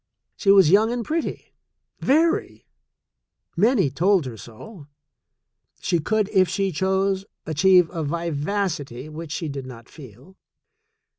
She was young, pretty, very — many told her so. She could, if she chose, achieve a vivacity which she did not feel.